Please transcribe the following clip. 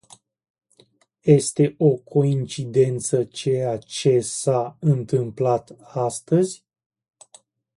Este o coincidență ceea ce s-a întâmplat astăzi?